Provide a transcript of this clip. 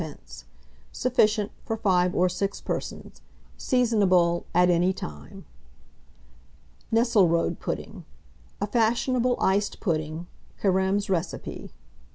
Sufficient for 5 or 6 persons. Seasonable at any time. NESSELRODE PUDDING. (A fashionable iced pudding Carême's Recipe.)